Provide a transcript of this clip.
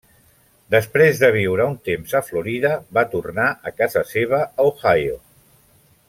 Després de viure un temps a Florida, va tornar a casa seva a Ohio.